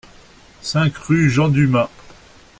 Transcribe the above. cinq rue Jean Dumas